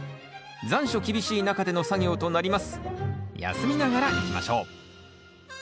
休みながらいきましょう。